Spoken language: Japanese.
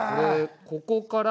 ここから。